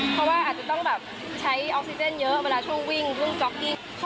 เพราะว่าอาจจะต้องแบบใช้ออกซิเจนเยอะเวลาช่วงวิ่งช่วงจ๊อกที่